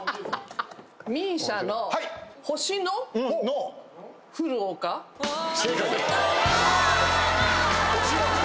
ＭＩＳＩＡの『星の降る丘』正解。